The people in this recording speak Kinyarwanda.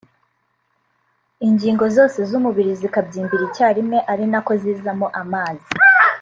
Ingingo zose z’umubiri zikabyimbira icyarimwe ari na ko zizamo amazi